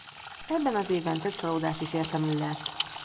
Ebben az évben több csalódás is érte Müllert.